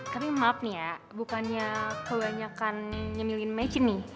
tapi maaf nih ya bukannya kebanyakan nyemilin mecin nih